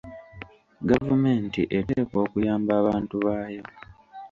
Gavumenti eteekwa okuyamba abantu baayo.